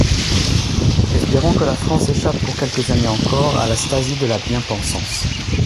Espérons que la France échappe pour quelques années encore à la Stasi de la bien-pensance.